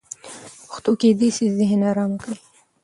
پښتو کېدای سي ذهن ارام کړي.